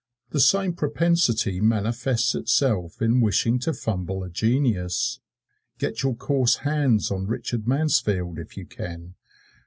The same propensity manifests itself in wishing to fumble a genius. Get your coarse hands on Richard Mansfield if you can!